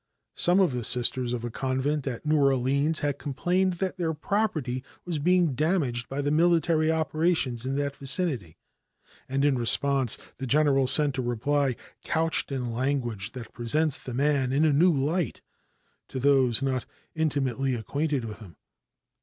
Some of the Sisters of a convent at New Orleans had complained that their property was being damaged by the military operations in that vicinity, and in response the General sent a reply couched in language that presents the man in a new light to those not intimately acquainted with him.